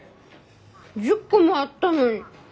１０個もあったのに。